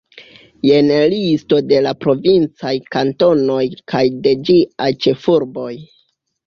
Jen listo de la provincaj kantonoj kaj de ĝiaj ĉefurboj.